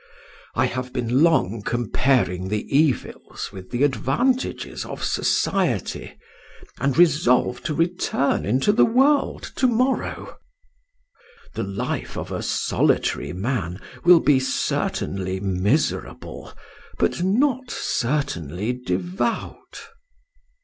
I have been long comparing the evils with the advantages of society, and resolve to return into the world to morrow. The life of a solitary man will be certainly miserable, but not certainly devout."